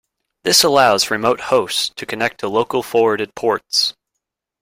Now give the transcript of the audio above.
This allows remote hosts to connect to local forwarded ports.